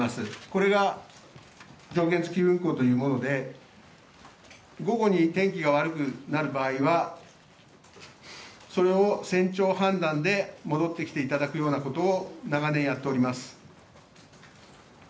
これが条件付き運航というもので午後に天気が悪くなる場合は、それを船長判断で戻ってきていただくようなことを長年やっております。